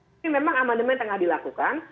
tapi memang aman demand tengah dilakukan